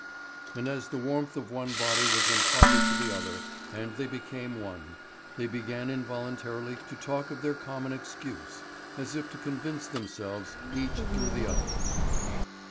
And as the warmth of one body was imparted to the other, and they became one, they began involuntarily to talk of their common excuse, as if to convince themselves each through the other.